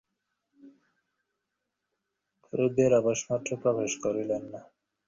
ক্রোধের আভাসমাত্র প্রকাশ করিলেন না।